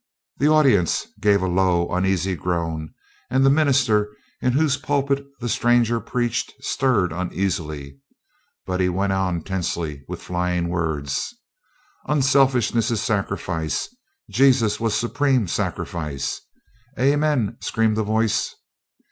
The audience gave a low uneasy groan and the minister in whose pulpit the stranger preached stirred uneasily. But he went on tensely, with flying words: "Unselfishness is sacrifice Jesus was supreme sacrifice." ("Amen," screamed a voice.)